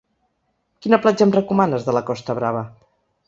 Quina platja em recomanes de la costa brava?